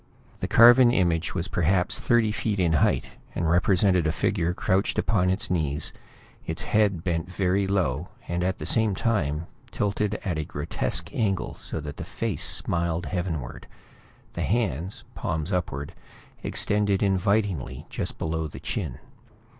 The carven image was perhaps thirty feet in height, and represented a figure crouched upon its knees, its head bent very low and at the same time tilted at a grotesque angle so that the face smiled heavenward; the hands, palms upward, extended invitingly just below the chin.